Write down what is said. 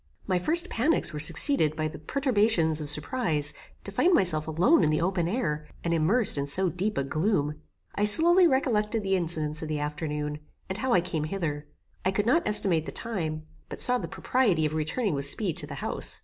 My first panics were succeeded by the perturbations of surprize, to find myself alone in the open air, and immersed in so deep a gloom. I slowly recollected the incidents of the afternoon, and how I came hither. I could not estimate the time, but saw the propriety of returning with speed to the house.